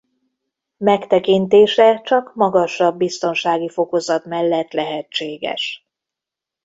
Megtekintése csak magasabb biztonsági fokozat mellett lehetséges.